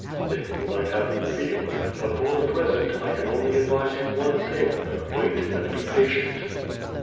"Then you might have the field, but for the present, I can only advise you one thing — wait and be patient."